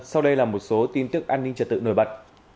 sau đây là một số tin tức an ninh trật tự nổi bật